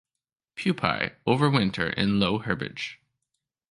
Pupae overwinter in low herbage.